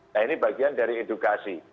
nah ini bagian dari edukasi